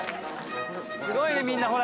すごいね、みんなね、ほら。